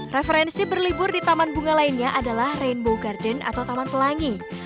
referensi berlibur di taman bunga lainnya adalah rainbow garden atau taman pelangi